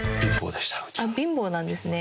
貧乏なんですね。